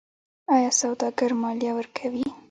آیا سوداګر مالیه ورکوي؟